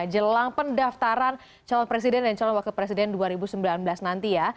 jelang pendaftaran calon presiden dan calon wakil presiden dua ribu sembilan belas nanti ya